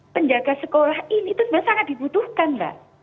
penjaga sekolah ini itu sebenarnya sangat dibutuhkan mbak